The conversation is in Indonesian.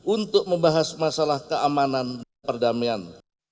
untuk membahas masalah keamanan dan perdamaian